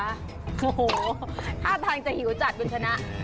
อ้าวถ้าทานจะหิวจัดก็ชนะ